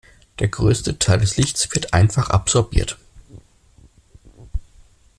Der größte Teil des Lichtes wird einfach absorbiert.